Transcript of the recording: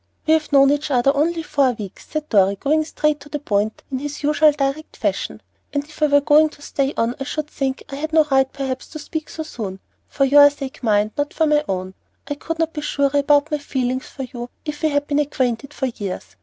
"We have known each other only four weeks," said Dorry, going straight to the point in his usual direct fashion; "and if I were going to stay on I should think I had no right, perhaps, to speak so soon, for your sake, mind, not for my own; I could not be surer about my feelings for you if we had been acquainted for years.